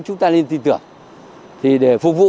chúng ta nên tin tưởng thì để phục vụ